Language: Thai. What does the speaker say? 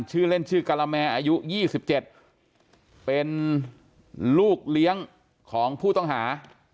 ชื่อเล่นชื่อกะละแมอายุ๒๗เป็นลูกเลี้ยงของผู้ต้องหา